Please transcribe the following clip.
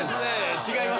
違います。